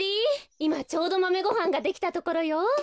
いまちょうどマメごはんができたところよ。